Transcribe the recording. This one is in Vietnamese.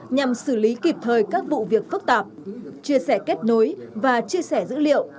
nhằm xử lý kịp thời các vụ việc phức tạp chia sẻ kết nối và chia sẻ dữ liệu